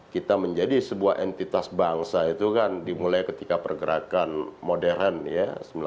kita menjadi sebuah entitas bangsa itu kan dimulai ketika pergerakan modern ya